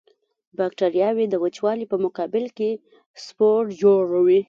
بکټریاوې د وچوالي په مقابل کې سپور جوړوي.